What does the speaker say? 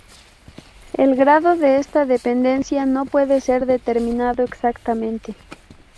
El grado de esta dependencia no puede ser determinado exactamente.